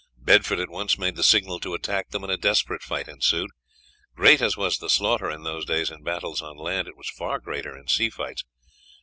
Bedford at once made the signal to attack them, and a desperate fight ensued. Great as was the slaughter in those days in battles on land, it was far greater in sea fights.